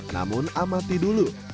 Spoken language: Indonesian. namun amati dulu